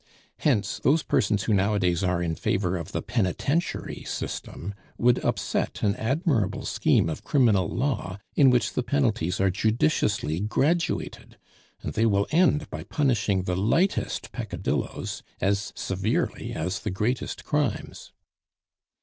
Hence, those persons who nowadays are in favor of the penitentiary system would upset an admirable scheme of criminal law in which the penalties are judiciously graduated, and they will end by punishing the lightest peccadilloes as severely as the greatest crimes.